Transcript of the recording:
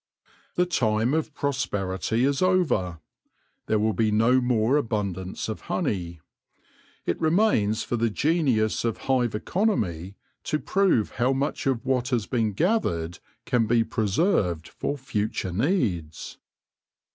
The time of prosperity is over. There will be no more abundance of honey. It remains for the genius of hive economy to prove how much of what has been gathered can be preserved for future needs.